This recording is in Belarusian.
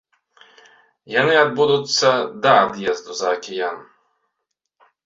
Яны адбудуцца да ад'езду за акіян.